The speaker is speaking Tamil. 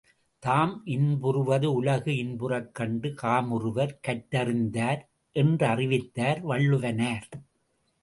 தாம் இன்புறுவது உலகு இன்புறக் கண்டு காமுறுவர் கற்றறிந் தார் என்றறிவித்தார் வள்ளுவனார்.